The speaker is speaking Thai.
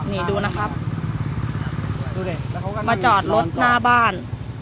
นี่ดูนะครับดูดิมาจอดรถหน้าบ้าน